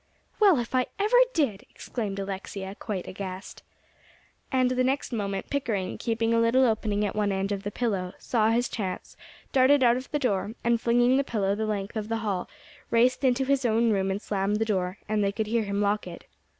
"Well, if I ever did!" exclaimed Alexia, quite aghast. And the next moment Pickering, keeping a little opening at one end of the pillow, saw his chance; darted out of the door, and flinging the pillow the length of the hall, raced into his own room and slammed the door, and they could hear him lock it.